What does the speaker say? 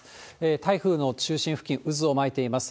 台風の中心付近、渦を巻いています。